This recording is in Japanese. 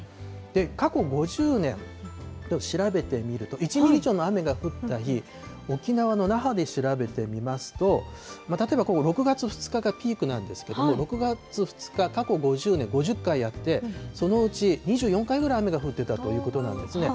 過去５０年、調べてみると、１ミリ以上の雨が降った日、沖縄の那覇で調べてみますと、例えばここ６月２日がピークなんですけれども、６月２日、過去５０年、５０回あって、そのうち２４回ぐらい雨が降ってたということなんですね。